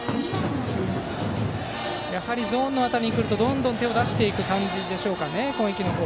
やはりゾーンの辺りに来るとどんどん手を出してくる感じでしょうか。